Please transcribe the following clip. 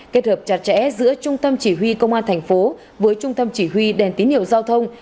kết hợp chặt chẽ giữa trung tâm chỉ huy công an thành phố với trung tâm chỉ huy đèn tín hiệu giao thông